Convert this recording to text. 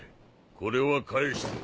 これは返しておく。